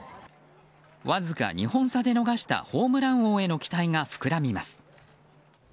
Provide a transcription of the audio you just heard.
わずか２本差で逃したホームラン王への期待が膨らみます。